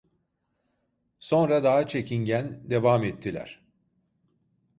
Sonra daha çekingen, devam ettiler: